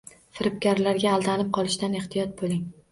Firibgarlarga aldanib qolishdan ehtiyot bo‘ling